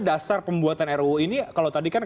dasar pembuatan ruu ini kalau tadi kan